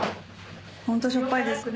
ホントしょっぱいです。